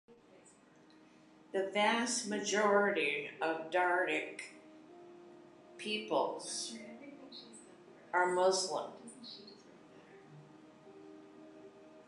The vast majority of Dardic peoples are Muslim.